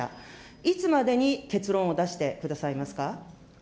いつまでに結論を出してくださいますか。